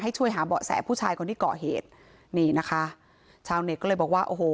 ช่วยหาเบาะแสผู้ชายคนที่เกาะเหตุนี่นะคะชาวเน็ตก็เลยบอกว่าโอ้โห